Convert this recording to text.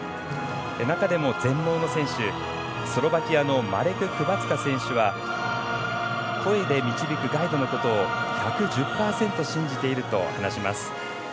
中でも全盲の選手、スロバキアのマレク・クバツカ選手は声で導くガイドのことを「１１０％信じている」と話します。